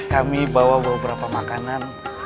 kami bawa beberapa makanan